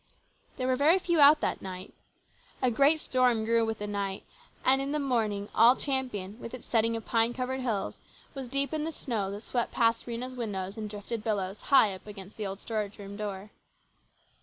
There were very few out that evening. A great storm grew with the night, and in the morning all Champion, with its setting of pine covered hills, was deep in the snow that swept past Rhena's windows in drifted billows high up against the old storage room door.